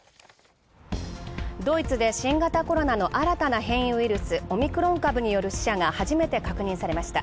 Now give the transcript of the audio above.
ドイツで新型コロナの新たな変異ウイルス、オミクロン株の死者が初めて確認されました。